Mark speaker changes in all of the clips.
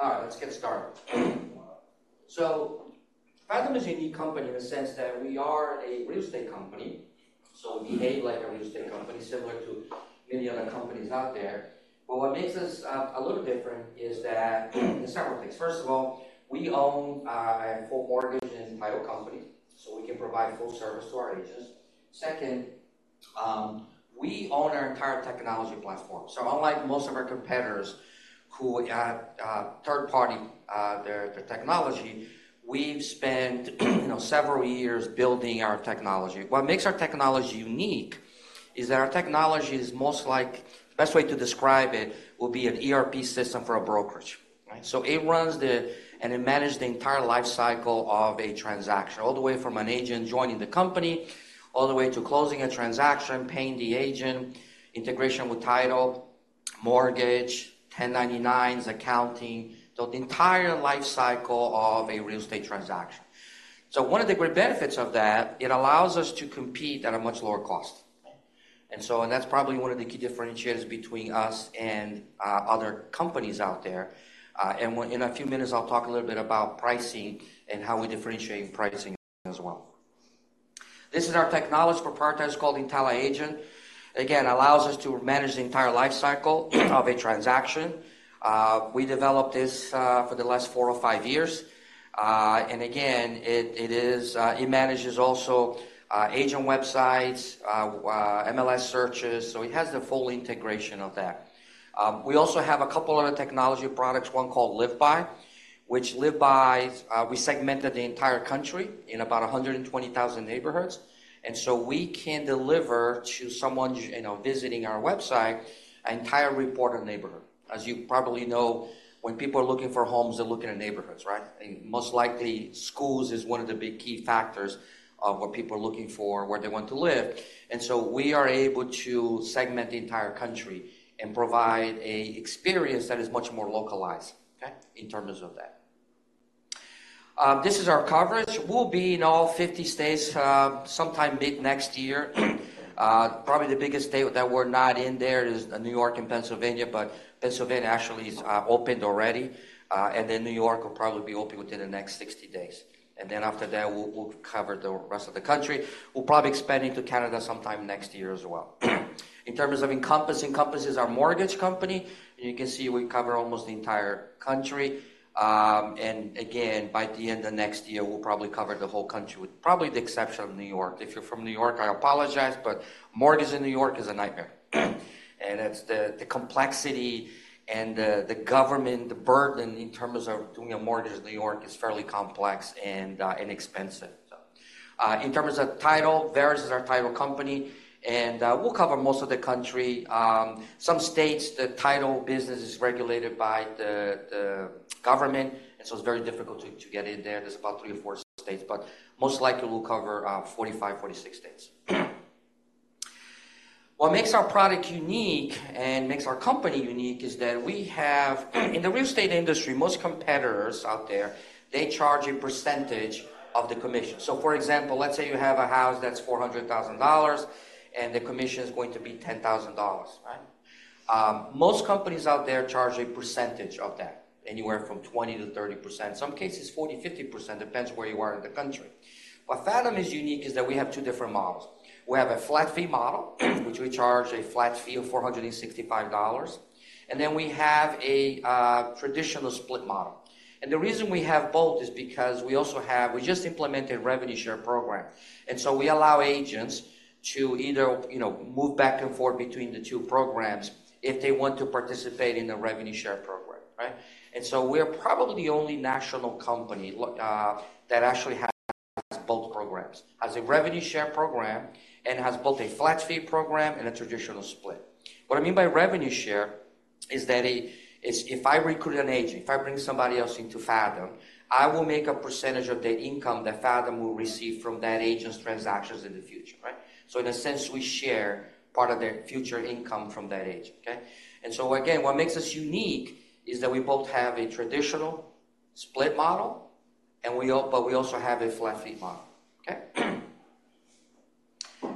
Speaker 1: All right, let's get started. So, Fathom is a unique company in the sense that we are a real estate company, so we behave like a real estate company, similar to many other companies out there. But what makes us a little different is that there are several things. First of all, we own a full mortgage and title company, so we can provide full service to our agents. Second, we own our entire technology platform. So unlike most of our competitors who third party their technology, we've spent, you know, several years building our technology. What makes our technology unique is that our technology is most like the best way to describe it, would be an ERP system for a brokerage, right? So it runs the, and it manages the entire life cycle of a transaction, all the way from an agent joining the company, all the way to closing a transaction, paying the agent, integration with title, mortgage, 1099s, accounting, so the entire life cycle of a real estate transaction. So one of the great benefits of that, it allows us to compete at a much lower cost. And so, and that's probably one of the key differentiators between us and other companies out there. In a few minutes, I'll talk a little bit about pricing and how we differentiate pricing as well. This is our technology for partners called intelliAgent. Again, allows us to manage the entire life cycle of a transaction. We developed this for the last four or five years. And again, it manages also agent websites, MLS searches, so it has the full integration of that. We also have a couple other technology products, one called LiveBy, which LiveBy we segmented the entire country in about 120,000 neighborhoods. And so we can deliver to someone, you know, visiting our website, an entire report on neighborhood. As you probably know, when people are looking for homes, they're looking at neighborhoods, right? Most likely, schools is one of the big key factors of what people are looking for, where they want to live. And so we are able to segment the entire country and provide a experience that is much more localized, okay, in terms of that. This is our coverage. We'll be in all 50 states sometime mid-next year. Probably the biggest state that we're not in there is New York and Pennsylvania, but Pennsylvania actually is opened already, and then New York will probably be open within the next 60 days, and then after that, we'll cover the rest of the country. We'll probably expand into Canada sometime next year as well. In terms of Encompass, Encompass is our mortgage company. You can see we cover almost the entire country. And again, by the end of next year, we'll probably cover the whole country, with probably the exception of New York. If you're from New York, I apologize, but mortgage in New York is a nightmare. And it's the complexity and the government, the burden in terms of doing a mortgage in New York is fairly complex and inexpensive. In terms of title, Verus is our title company, and we'll cover most of the country. Some states, the title business is regulated by the government, and so it's very difficult to get in there. There's about three or four states, but most likely we'll cover 45-46 states. What makes our product unique and makes our company unique is that in the real estate industry, most competitors out there, they charge a percentage of the commission. So, for example, let's say you have a house that's $400,000, and the commission is going to be $10,000. Most companies out there charge a percentage of that, anywhere from 20%-30%. Some cases, 40%, 50%, depends where you are in the country. But Fathom is unique, is that we have two different models. We have a flat fee model, which we charge a flat fee of $465, and then we have a traditional split model. And the reason we have both is because we also have we just implemented a revenue share program, and so we allow agents to either, you know, move back and forth between the two programs if they want to participate in the revenue share program, right? And so we're probably the only national company that actually has both programs. Has a revenue share program and has both a flat fee program and a traditional split. What I mean by revenue share is that is if I recruit an agent, if I bring somebody else into Fathom, I will make a percentage of the income that Fathom will receive from that agent's transactions in the future, right? In a sense, we share part of their future income from that agent, okay? And so again, what makes us unique is that we both have a traditional split model and we also have a flat fee model, okay?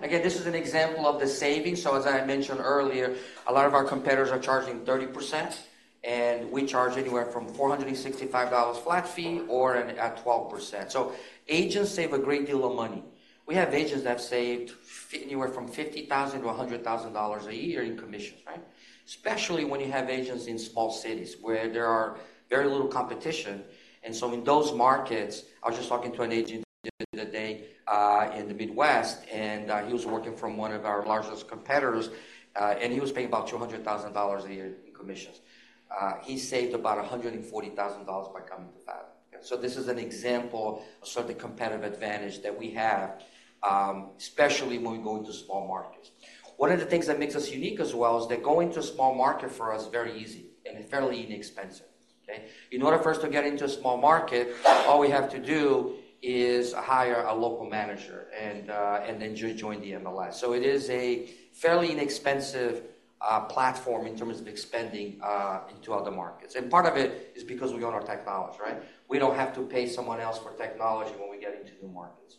Speaker 1: Again, this is an example of the savings. So as I mentioned earlier, a lot of our competitors are charging 30%, and we charge anywhere from $465 flat fee or at 12%. So agents save a great deal of money. We have agents that have saved anywhere from $50,000 to $100,000 a year in commissions, right? Especially when you have agents in small cities where there are very little competition. And so in those markets, I was just talking to an agent the other day in the Midwest, and he was working from one of our largest competitors, and he was paying about $200,000 a year in commissions. He saved about $140,000 by coming to Fathom. So this is an example of the competitive advantage that we have, especially when we go into small markets. One of the things that makes us unique as well is that going to a small market for us is very easy and fairly inexpensive, okay? In order for us to get into a small market, all we have to do is hire a local manager and then join the MLS. So it is a fairly inexpensive platform in terms of expanding into other markets. Part of it is because we own our technology, right? We don't have to pay someone else for technology when we get into new markets.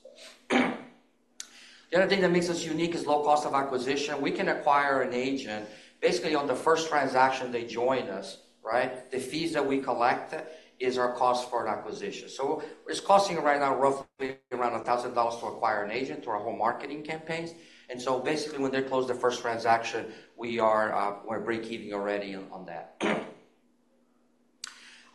Speaker 1: The other thing that makes us unique is low cost of acquisition. We can acquire an agent basically on the first transaction they join us, right? The fees that we collect is our cost for an acquisition. So it's costing right now roughly around $1,000 to acquire an agent through our whole marketing campaigns. And so basically, when they close the first transaction, we are, we're breakeven already on, on that.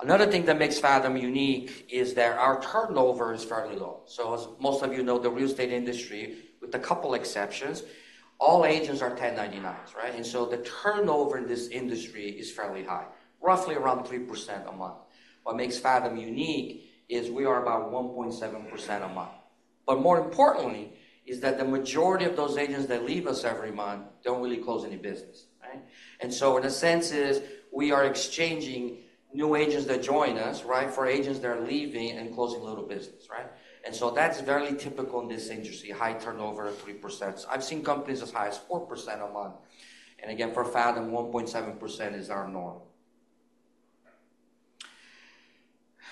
Speaker 1: Another thing that makes Fathom unique is that our turnover is fairly low. So as most of you know, the real estate industry, with a couple exceptions, all agents are 1099s, right? And so the turnover in this industry is fairly high, roughly around 3% a month. What makes Fathom unique is we are about 1.7% a month. But more importantly, is that the majority of those agents that leave us every month don't really close any business, right? And so in a sense is, we are exchanging new agents that join us, right, for agents that are leaving and closing little business, right? And so that's very typical in this industry, high turnover, 3%. I've seen companies as high as 4% a month, and again, for Fathom, 1.7% is our norm.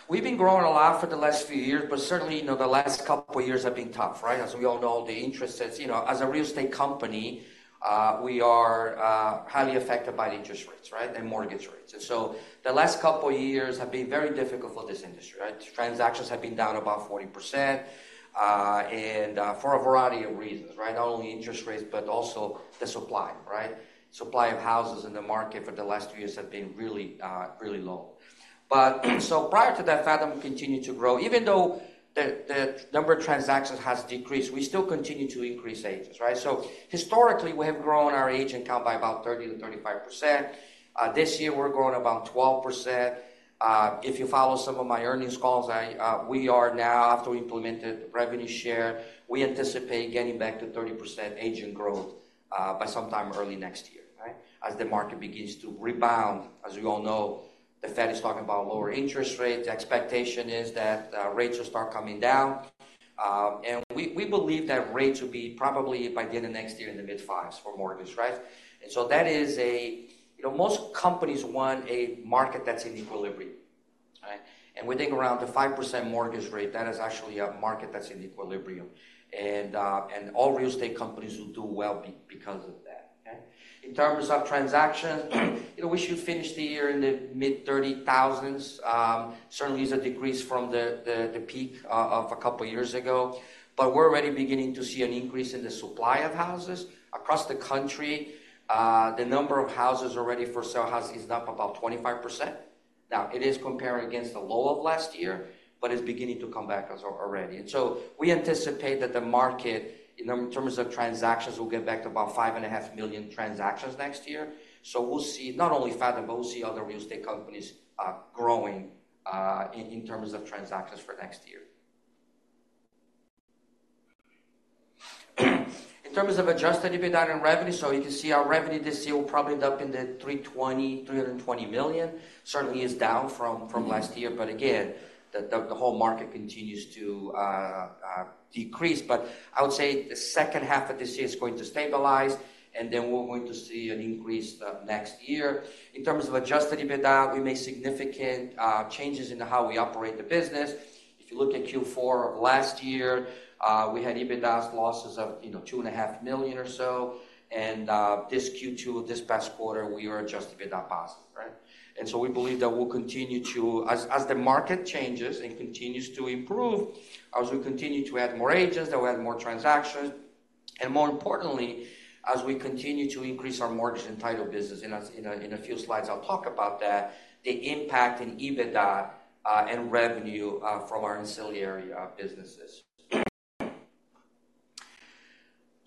Speaker 1: We've been growing a lot for the last few years, but certainly, you know, the last couple of years have been tough, right? As we all know, the interest is, you know, as a real estate company, we are, highly affected by interest rates, right, and mortgage rates. And so the last couple of years have been very difficult for this industry, right? Transactions have been down about 40%, and for a variety of reasons, right? Not only interest rates, but also the supply, right? Supply of houses in the market for the last two years have been really, really low. But, so prior to that, Fathom continued to grow. Even though the number of transactions has decreased, we still continue to increase agents, right? So historically, we have grown our agent count by about 30%-35%. This year, we're growing about 12%. If you follow some of my earnings calls, I, we are now, after we implemented revenue share, we anticipate getting back to 30% agent growth, by sometime early next year, right? As the market begins to rebound, as you all know, the Fed is talking about lower interest rates. The expectation is that rates will start coming down, and we believe that rates will be probably by the end of next year in the mid-fives for mortgage, right? And so that is a you know, most companies want a market that's in equilibrium, right? And we think around the 5% mortgage rate, that is actually a market that's in equilibrium, and all real estate companies will do well because of that, okay? In terms of transaction, we should finish the year in the mid-thirty thousands. Certainly, is a decrease from the peak of a couple of years ago, but we're already beginning to see an increase in the supply of houses. Across the country, the number of houses ready for sale is up about 25%. Now, it is comparing against the low of last year, but it's beginning to come back already. So we anticipate that the market, in terms of transactions, will get back to about 5.5 million transactions next year. We'll see not only Fathom, but we'll see other real estate companies growing in terms of transactions for next year. In terms of adjusted EBITDA and revenue, you can see our revenue this year will probably end up at $320 million. It certainly is down from last year, but again, the whole market continues to decrease. I would say the second half of this year is going to stabilize, and then we're going to see an increase the next year. In terms of Adjusted EBITDA, we made significant changes in how we operate the business. If you look at Q4 of last year, we had EBITDA losses of, you know, $2.5 million or so, and this Q2, this past quarter, we are Adjusted EBITDA positive, right? And so we believe that we'll continue to, as the market changes and continues to improve, as we continue to add more agents, that we add more transactions, and more importantly, as we continue to increase our mortgage and title business. In a few slides, I'll talk about that, the impact in EBITDA, and revenue, from our ancillary businesses.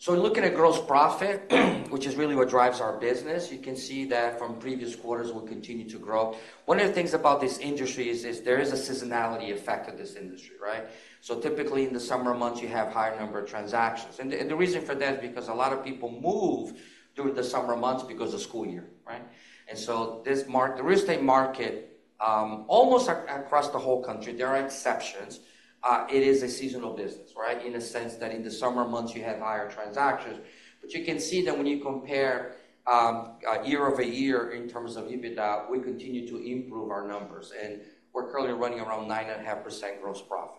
Speaker 1: So looking at gross profit, which is really what drives our business, you can see that from previous quarters, we'll continue to grow. One of the things about this industry is there is a seasonality effect of this industry, right? So typically, in the summer months, you have higher number of transactions. And the reason for that is because a lot of people move during the summer months because of school year, right? And so the real estate market, almost across the whole country, there are exceptions, it is a seasonal business, right? In a sense that in the summer months, you have higher transactions. But you can see that when you compare, year over year in terms of EBITDA, we continue to improve our numbers, and we're currently running around 9.5% gross profit.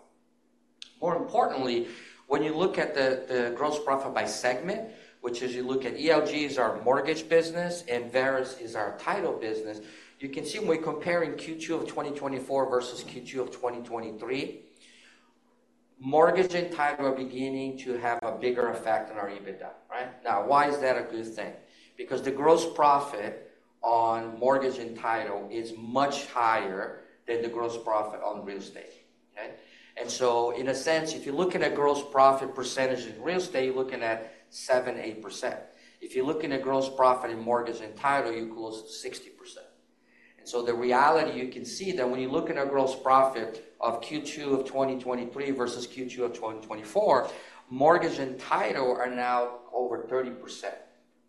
Speaker 1: More importantly, when you look at the gross profit by segment, which is you look at ELG is our mortgage business and Verus is our title business, you can see when we're comparing Q2 of 2024 versus Q2 of 2023, mortgage and title are beginning to have a bigger effect on our EBITDA, right? Now, why is that a good thing? Because the gross profit on mortgage and title is much higher than the gross profit on real estate, okay? And so in a sense, if you're looking at gross profit percentage in real estate, you're looking at 7%-8%. If you're looking at gross profit in mortgage and title, you're close to 60%. And so the reality, you can see that when you look at our gross profit of Q2 of 2023 versus Q2 of 2024, mortgage and title are now over 30%,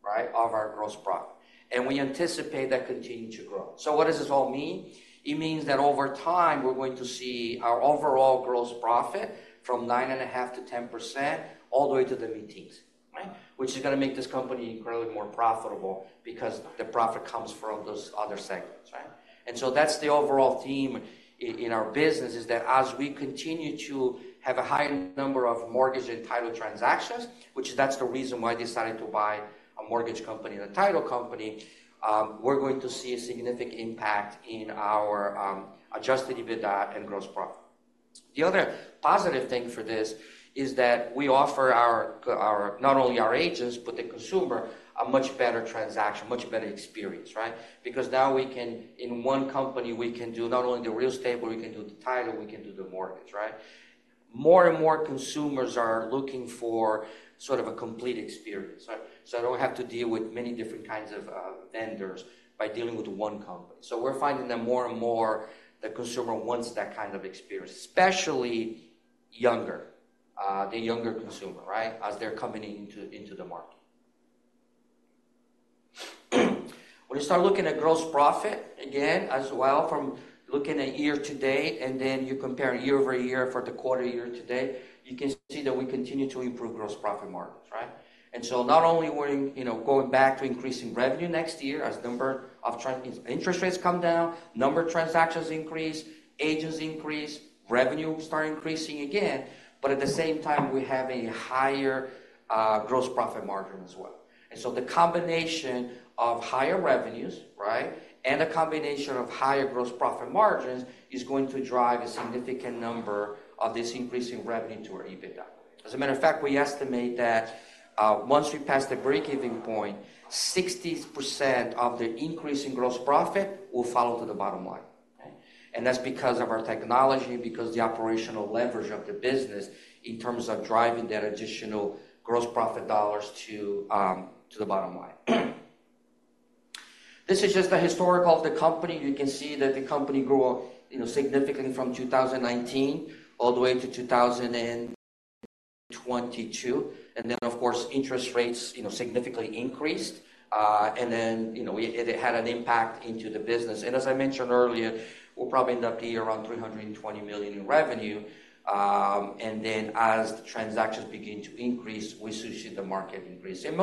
Speaker 1: right, of our gross profit, and we anticipate that continuing to grow. So what does this all mean? It means that over time, we're going to see our overall gross profit from 9.5% to 10% all the way to the mid-teens which is going to make this company incredibly more profitable because the profit comes from those other segments, right? And so that's the overall theme in our business, is that as we continue to have a high number of mortgage and title transactions, which that's the reason why I decided to buy a mortgage company and a title company, we're going to see a significant impact in our Adjusted EBITDA and gross profit. The other positive thing for this is that we offer not only our agents, but the consumer, a much better transaction, much better experience, right? Because now we can, in one company, we can do not only the real estate, but we can do the title, we can do the mortgage, right? More and more consumers are looking for sort of a complete experience, right? So I don't have to deal with many different kinds of vendors by dealing with one company. So we're finding that more and more the consumer wants that kind of experience, especially younger, the younger consumer, right, as they're coming into, into the market. When you start looking at gross profit, again, as well from looking at year to date, and then you compare year over year for the quarter year to date, you can see that we continue to improve gross profit margins, right? And so not only we're, you know, going back to increasing revenue next year as interest rates come down, number of transactions increase, agents increase, revenue start increasing again, but at the same time, we have a higher, gross profit margin as well. And so the combination of higher revenues, right, and a combination of higher gross profit margins, is going to drive a significant number of this increasing revenue to our EBITDA. As a matter of fact, we estimate that once we pass the break-even point, 60% of the increase in gross profit will follow to the bottom line, okay? And that's because of our technology, because the operational leverage of the business in terms of driving that additional gross profit dollars to the bottom line. This is just a historical of the company. You can see that the company grew, you know, significantly from 2019 all the way to 2022. And then, of course, interest rates, you know, significantly increased, and then, you know, it had an impact into the business. And as I mentioned earlier, we'll probably end up the year around $320 million in revenue. And then as the transactions begin to increase, we should see the market increase. And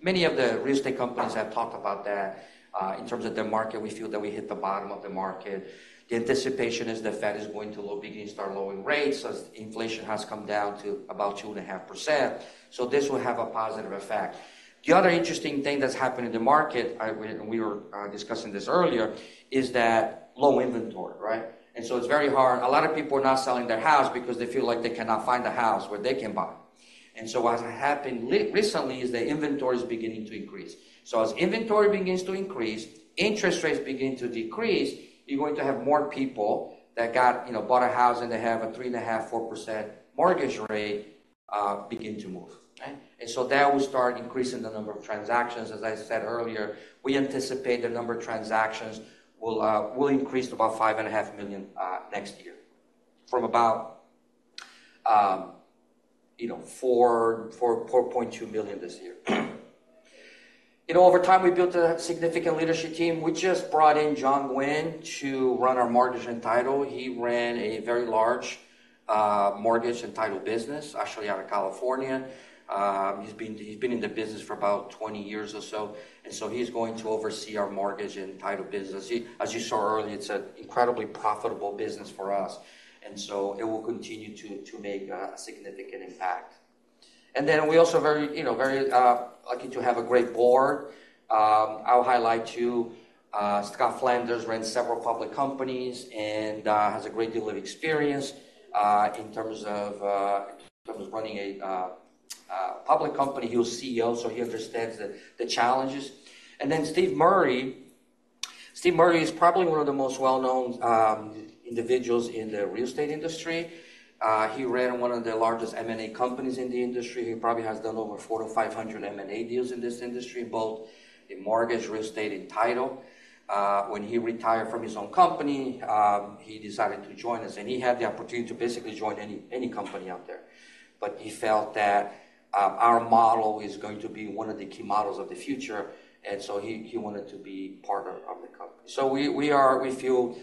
Speaker 1: many of the real estate companies have talked about that. In terms of the market, we feel that we hit the bottom of the market. The anticipation is the Fed is going to begin lowering rates as inflation has come down to about 2.5%. So this will have a positive effect. The other interesting thing that's happened in the market, we were discussing this earlier, is that low inventory, right? And so it's very hard. A lot of people are not selling their house because they feel like they cannot find a house where they can buy. And so what has happened recently is the inventory is beginning to increase. So as inventory begins to increase, interest rates begin to decrease, you're going to have more people that got, you know, bought a house, and they have a three and a half, 4% mortgage rate begin to move, right? And so that will start increasing the number of transactions. As I said earlier, we anticipate the number of transactions will increase to about 5.5 million next year, from about 4.2 million this year. You know, over time, we built a significant leadership team. We just brought in Jon Gwin to run our mortgage and title. He ran a very large mortgage and title business, actually, out of California. He's been in the business for about 20 years or so, and so he's going to oversee our mortgage and title business. As you saw earlier, it's an incredibly profitable business for us, and so it will continue to make a significant impact. And then we're also very, you know, very lucky to have a great board. I'll highlight you, Scott Flanders ran several public companies and has a great deal of experience in terms of running a public company. He was CEO, so he understands the challenges. And then Steve Murray. Steve Murray is probably one of the most well-known individuals in the real estate industry. He ran one of the largest M&A companies in the industry. He probably has done over 400-500 M&A deals in this industry, both in mortgage, real estate, and title. When he retired from his own company, he decided to join us, and he had the opportunity to basically join any company out there. But he felt that our model is going to be one of the key models of the future, and so he wanted to be partner of the company. So we feel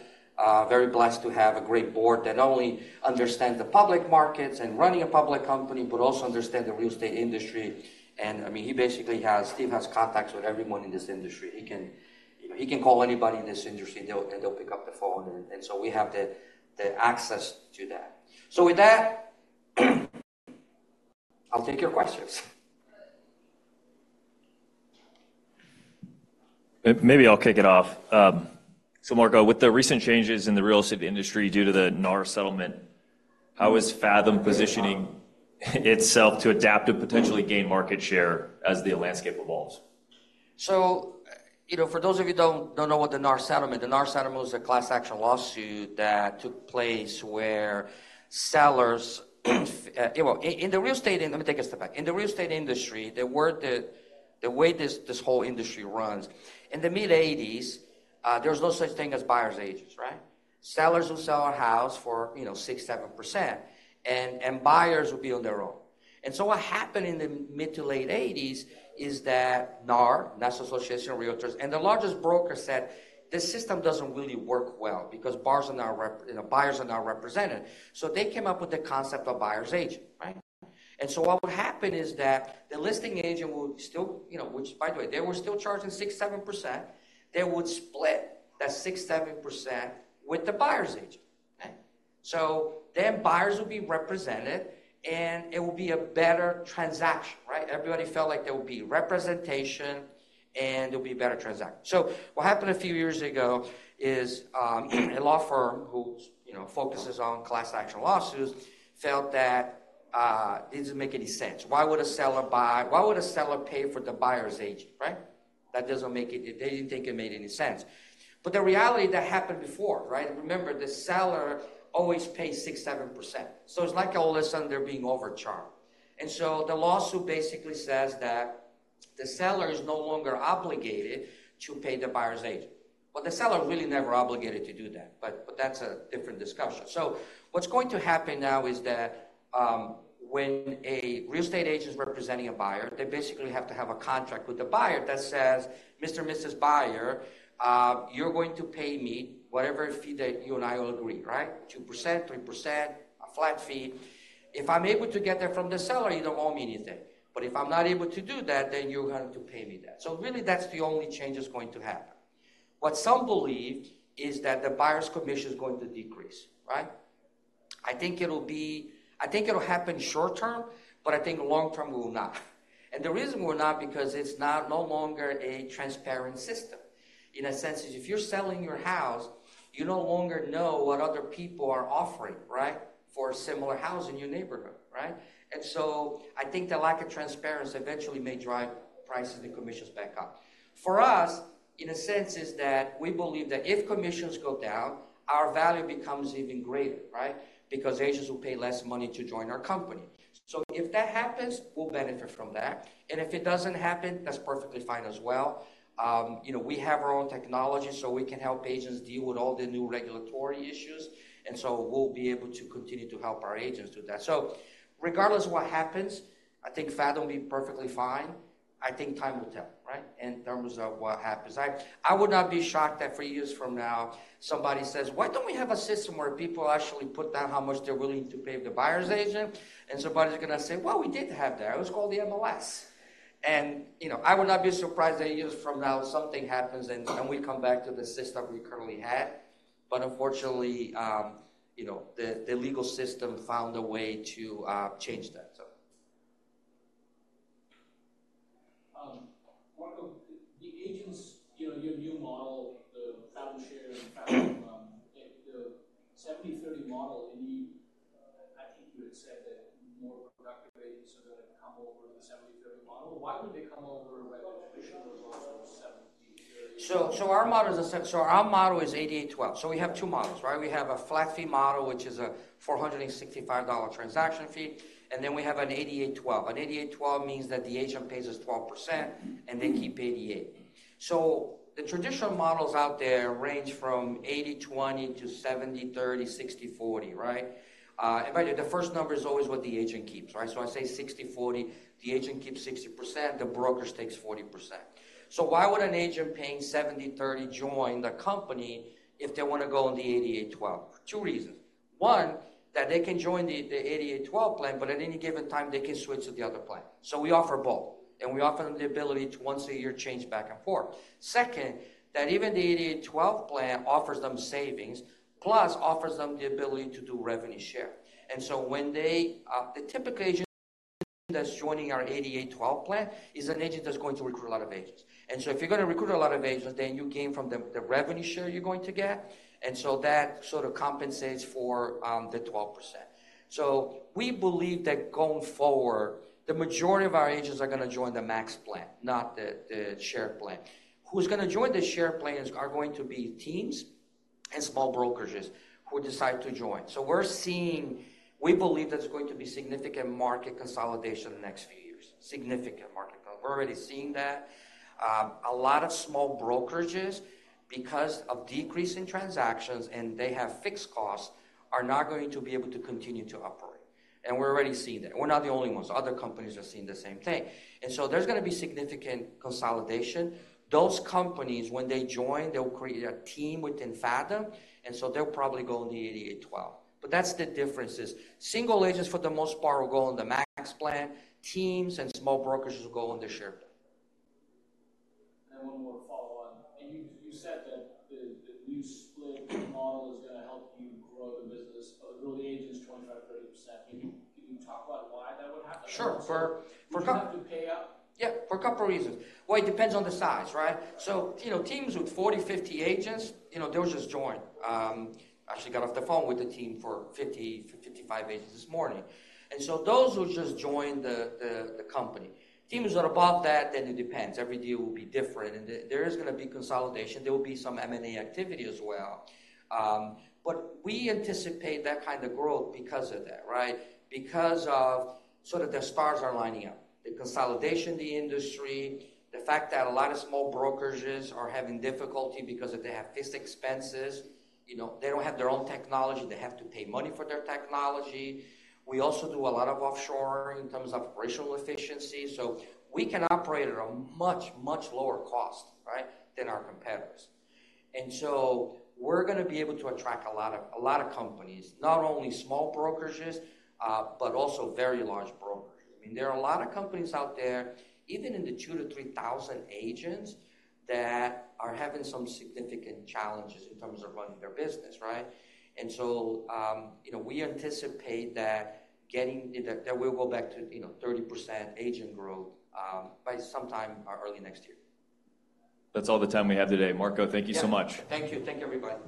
Speaker 1: very blessed to have a great board that not only understand the public markets and running a public company, but also understand the real estate industry. And I mean, Steve has contacts with everyone in this industry. He can, you know, call anybody in this industry, and they'll pick up the phone, and so we have the access to that. So with that, I'll take your questions. Maybe I'll kick it off. So Marco, with the recent changes in the real estate industry due to the NAR settlement, how is Fathom positioning itself to adapt and potentially gain market share as the landscape evolves? So, you know, for those of you who don't know what the NAR settlement, the NAR settlement was a class action lawsuit that took place where sellers, well, in the real estate, let me take a step back. In the real estate industry, the way this whole industry runs, in the mid-1980s, there was no such thing as buyer's agents, right? Sellers will sell a house for, you know, 6%-7%, and buyers will be on their own. And so what happened in the mid to late eighties is that NAR, National Association of Realtors, and the largest brokers said, "This system doesn't really work well because buyers are not represented, you know." So they came up with the concept of buyer's agent, right? And so what would happen is that the listing agent will still, you know, which, by the way, they were still charging 6-7%, they would split that 6-7% with the buyer's agent, okay? So then buyers will be represented, and it will be a better transaction, right? Everybody felt like there will be representation, and there'll be a better transaction. So what happened a few years ago is a law firm who, you know, focuses on class action lawsuits felt that it doesn't make any sense. Why would a seller pay for the buyer's agent, right? That doesn't make sense. They didn't think it made any sense, but the reality, that happened before, right? Remember, the seller always pays 6%-7%. So it's not like all of a sudden they're being overcharged, and so the lawsuit basically says that the seller is no longer obligated to pay the buyer's agent, well, the seller really never obligated to do that, but that's a different discussion, so what's going to happen now is that when a real estate agent is representing a buyer, they basically have to have a contract with the buyer that says, "Mr. and Mrs. Buyer, you're going to pay me whatever fee that you and I will agree, right? 2%, 3%, a flat fee. If I'm able to get that from the seller, you don't owe me anything, but if I'm not able to do that, then you're going to pay me that." So really, that's the only change that's going to happen. What some believe is that the buyer's commission is going to decrease, right? I think it'll happen short term, but I think long term, it will not. And the reason we're not, because it's not no longer a transparent system. In a sense, is if you're selling your house, you no longer know what other people are offering, right, for a similar house in your neighborhood, right? And so I think the lack of transparency eventually may drive prices and commissions back up. For us, in a sense, is that we believe that if commissions go down, our value becomes even greater, right? Because agents will pay less money to join our company. So if that happens, we'll benefit from that, and if it doesn't happen, that's perfectly fine as well. You know, we have our own technology, so we can help agents deal with all the new regulatory issues, and so we'll be able to continue to help our agents do that. So regardless of what happens, I think Fathom will be perfectly fine. I think time will tell, right, in terms of what happens. I would not be shocked if three years from now, somebody says, "Why don't we have a system where people actually put down how much they're willing to pay the buyer's agent?" And somebody's gonna say, "Well, we did have that. It was called the MLS, and you know, I would not be surprised that years from now, something happens, and we come back to the system we currently had. But unfortunately, you know, the legal system found a way to change that, so. Marco, the agents, you know, your new model, the Fathom Share, the 70/30 model. I think you had said that more productive agents are gonna come over to the 70/30 model. Why would they come over by the commission model from 70/30? Our model is 88/12. So we have two models, right? We have a flat fee model, which is a $465 transaction fee, and then we have an 88/12. An 88/12 means that the agent pays us 12%, and they keep 88%. So the traditional models out there range from 80/20 to 70/30, 60/40, right? And by the way, the first number is always what the agent keeps, right? So I say 60/40, the agent keeps 60%, the broker takes 40%. So why would an agent paying 70/30 join the company if they want to go on the 88/12? Two reasons. One, that they can join the 88/12 plan, but at any given time, they can switch to the other plan. So we offer both, and we offer them the ability to once a year change back and forth. Second, that even the 88/12 plan offers them savings, plus offers them the ability to do revenue share. And so when they, the typical agent that's joining our 88/12 plan is an agent that's going to recruit a lot of agents. And so if you're gonna recruit a lot of agents, then you gain from the revenue share you're going to get, and so that sort of compensates for the 12%. So we believe that going forward, the majority of our agents are gonna join the Max Plan, not the Share Plan. Who's gonna join the Share Plans are going to be teams and small brokerages who decide to join. So we're seeing. We believe there's going to be significant market consolidation in the next few years. Significant market consolidation. We're already seeing that. A lot of small brokerages, because of decreasing transactions, and they have fixed costs, are not going to be able to continue to operate, and we're already seeing that. We're not the only ones. Other companies are seeing the same thing, and so there's gonna be significant consolidation. Those companies, when they join, they'll create a team within Fathom, and so they'll probably go in the eighty-eight, twelve. But that's the difference is, single agents, for the most part, will go on the Max Plan. Teams and small brokerages will go on the Share Plan. One more follow on. You said that the new split model is gonna help you grow the business really agents 25-30%. Can you talk about why that would happen? Sure. For a couple. Would you have to pay up? Yeah, for a couple of reasons. It depends on the size, right? You know, teams with 40, 50 agents, you know, they'll just join. I actually got off the phone with the team for 50, 55 agents this morning. And so those will just join the company. Teams that are above that, then it depends. Every deal will be different, and there is gonna be consolidation. There will be some M&A activity as well. But we anticipate that kind of growth because of that, right? Because of that, the stars are lining up. The consolidation in the industry, the fact that a lot of small brokerages are having difficulty because if they have fixed expenses, you know, they don't have their own technology, they have to pay money for their technology. We also do a lot of offshoring in terms of operational efficiency, so we can operate at a much, much lower cost, right, than our competitors. And so we're gonna be able to attract a lot of, a lot of companies, not only small brokerages, but also very large brokerages. I mean, there are a lot of companies out there, even in the 2-3 thousand agents, that are having some significant challenges in terms of running their business, right? And so, you know, we anticipate that we'll go back to, you know, 30% agent growth, by sometime early next year. That's all the time we have today. Marco, thank you so much. Yeah. Thank you. Thank you, everybody.